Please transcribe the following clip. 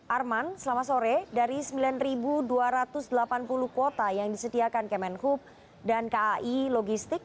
arman selamat sore dari sembilan dua ratus delapan puluh kuota yang disediakan kemenhub dan kai logistik